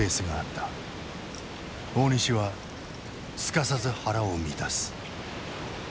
大西はすかさず腹を満たす。